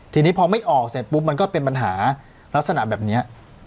ทีนี้พอไม่ออกเสร็จปุ๊บมันก็เป็นปัญหาลักษณะแบบนี้